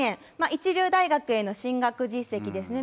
一流大学への進学実績ですね。